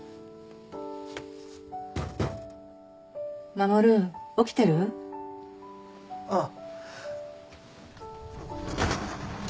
護起きてる？ああ。